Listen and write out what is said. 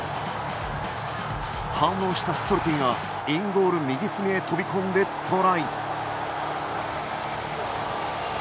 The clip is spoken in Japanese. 反応したストルティがインゴール右隅へ飛び込んでトライ。